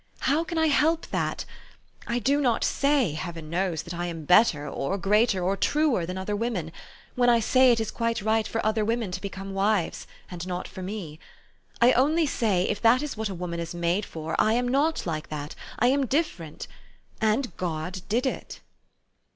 How can I help that? I do not say, Heaven knows ! that I am better, or greater, or truer than other women, when I say it is quite right for other women to become wives, and not for me. I only say, If that is what a woman is made for, I am not like that: I am different. And God did it."